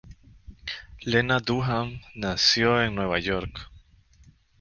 Lena Dunham nació en Nueva York.